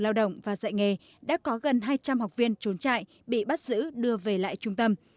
lao động và dạy nghề đã có gần hai trăm linh học viên trốn chạy bị bắt giữ đưa về lại trung tâm